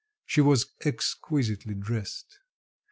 She was exquisitely dressed.